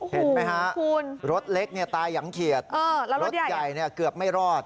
เห็นไหมฮะคุณรถเล็กเนี้ยตายอย่างเขียดเออแล้วรถใหญ่เนี้ยเกือบไม่รอด